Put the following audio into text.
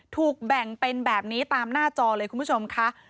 ถูกแบ่งเป็นแบบนี้ตามหน้าจอเลยคุณผู้ชมค่ะ